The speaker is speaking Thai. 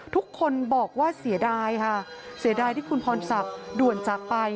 ทุกคนบอกว่าเสียดายค่ะเสียดายที่คุณพรศักดิ์ด่วนจากไป